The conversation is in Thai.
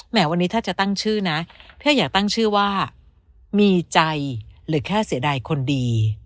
วันนี้ถ้าจะตั้งชื่อนะถ้าอยากตั้งชื่อว่ามีใจหรือแค่เสียดายคนดี